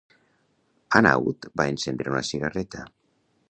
Hanaud va encendre una cigarreta.